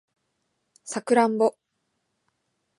サクランボ